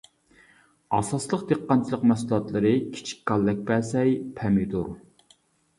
ئاساسلىق دېھقانچىلىق مەھسۇلاتلىرى كىچىك كاللەكبەسەي، پەمىدۇر.